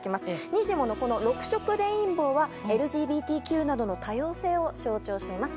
にじモの６色レインボーはＬＧＢＴＱなどの多様性を象徴しています。